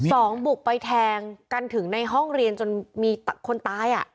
สองบุกไปแทงกันถึงในห้องเรียนจนมีคนตายอ่ะ